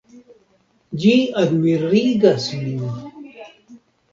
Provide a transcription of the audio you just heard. Ĝi admirigas min.